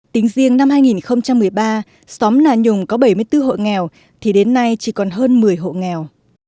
tính riêng năm hai nghìn một mươi ba xóm nà nhùng có bảy mươi bốn hộ nghèo thì đến nay chỉ còn hơn một mươi hộ nghèo